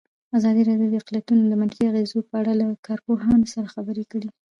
ازادي راډیو د اقلیتونه د منفي اغېزو په اړه له کارپوهانو سره خبرې کړي.